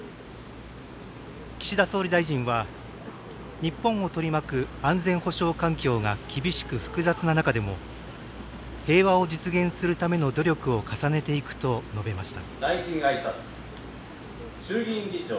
岸田総理大臣は日本を取り巻く安全保障環境が厳しく複雑な中でも平和を実現するための努力を重ねていくと述べました。